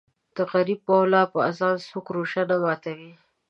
د غریب مولا په اذان څوک روژه نه ماتوي